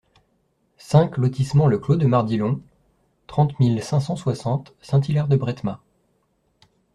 cinq lotissement Le Clos de Mardilhon, trente mille cinq cent soixante Saint-Hilaire-de-Brethmas